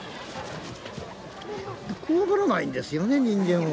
怖がらないんですよね、人間を。